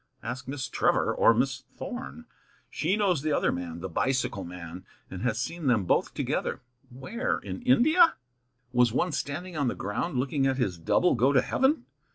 Ask Miss Trevor; or Miss Thorn; she knows the other man, the bicycle man, and has seen them both together." "Where, in India? Was one standing on the ground looking at his double go to heaven?